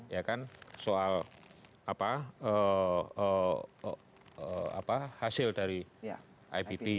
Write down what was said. ya kan soal apa apa hasil dari ipt